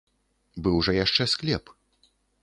Быў жа яшчэ склеп.